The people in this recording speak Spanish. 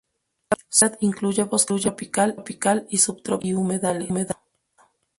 Su hábitat incluye bosque tropical y subtropical y humedales.